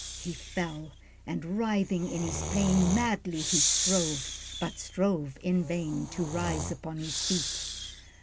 He fell, and writhing in his pain, Madly he strove, but strove in vain, To rise upon his feet.